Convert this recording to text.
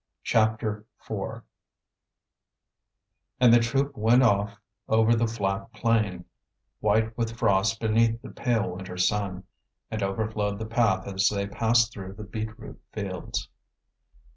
CHAPTER IV And the troop went off over the flat plain, white with frost beneath the pale winter sun, and overflowed the path as they passed through the beetroot fields.